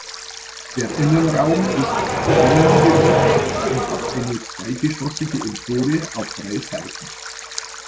Der Innenraum ist tonnengewölbt und hat eine zweigeschossige Empore auf drei Seiten.